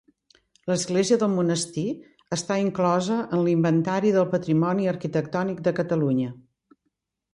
L'església del monestir està inclosa en l'Inventari del Patrimoni Arquitectònic de Catalunya.